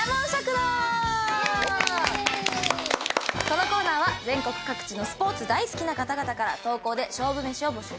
このコーナーは全国各地のスポーツ大好きな方々から投稿で勝負飯を募集しています。